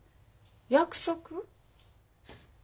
約束？